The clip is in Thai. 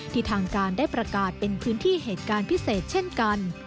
ทางการได้ประกาศเป็นพื้นที่เหตุการณ์พิเศษเช่นกัน